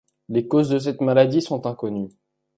Les causes de cette maladie sont inconnues.